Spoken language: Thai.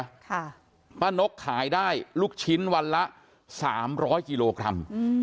ค่ะป้านกขายได้ลูกชิ้นวันละ๓๐๐กิโลกรัม